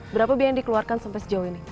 berapa biaya yang dikeluarkan sampai sejauh ini